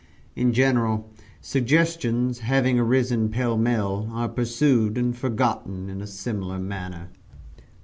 In general, suggestions, having arisen pell mell are pursued and forgotten in a similar manner.